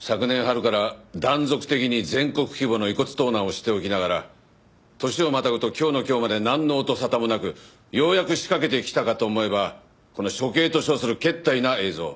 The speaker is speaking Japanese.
昨年春から断続的に全国規模の遺骨盗難をしておきながら年をまたぐと今日の今日までなんの音沙汰もなくようやく仕掛けてきたかと思えばこの処刑と称するけったいな映像。